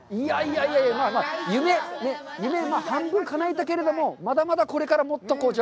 いやいや、夢を半分かなえたけれども、まだまだこれからもっと。